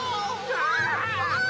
ああ。